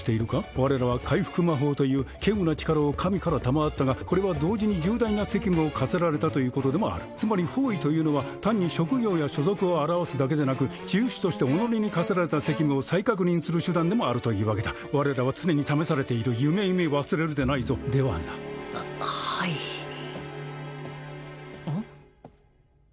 我らは回復魔法という希有な力を神から賜ったがこれは同時に重大な責務を課せられたということでもあるつまり法衣というのは単に職業や所属を表すだけでなく治癒士として己に課せられた責務を再確認する手段でもあるというわけだ我らは常に試されているゆめゆめ忘れるでないぞではなははいうん？